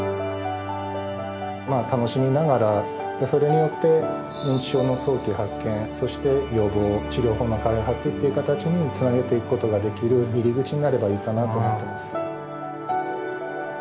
まあ楽しみながらそれによって認知症の早期発見そして予防治療法の開発っていう形につなげていくことができる入り口になればいいかなと思ってます。